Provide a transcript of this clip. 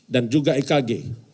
dan juga ekg